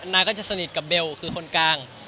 นาก็จะสนิทกับเบลคือคนกลาง